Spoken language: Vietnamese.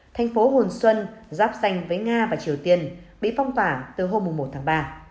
thành phố hồn xuân giáp xanh với nga và triều tiên bị phong tỏa từ hôm một tháng ba